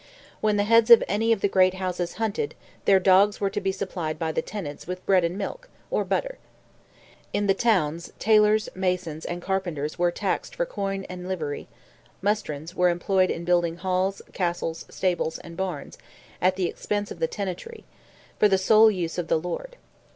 When the heads of any of the great houses hunted, their dogs were to be supplied by the tenants "with bread and milk, or butter." In the towns tailors, masons, and carpenters, were taxed for coin and livery; "mustrons" were employed in building halls, castles, stables, and barns, at the expense of the tenantry, for the sole use of the lord.